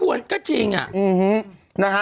ก็ควรก็จริงอ่ะ